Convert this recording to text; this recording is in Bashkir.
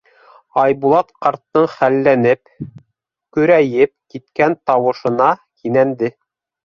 Айбулат ҡарттың хәлләнеп, көрәйеп киткән тауышына кинәнде.